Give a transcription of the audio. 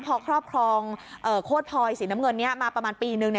พอครอบครองโคตรพลอยสีน้ำเงินนี้มาประมาณปีนึง